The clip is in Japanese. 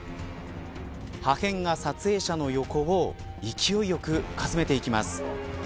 破片が撮影者の横を勢いよく、かすめていきます。